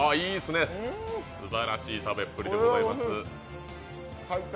すばらしい食べっぷりでございます。